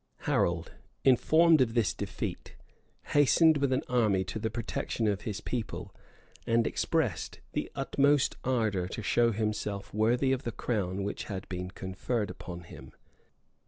Harold, informed of this defeat, hastened with an army to the protection of his people; and expressed the utmost ardor to show himself worthy of the crown, which had been conferred upon him.